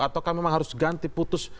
atau kamu memang harus ganti putus